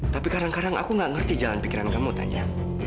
tapi kadang kadang aku gak ngerti jalan pikiran kamu tanya